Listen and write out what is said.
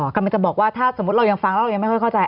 กำลังจะบอกว่าถ้าสมมุติเรายังฟังแล้วเรายังไม่ค่อยเข้าใจ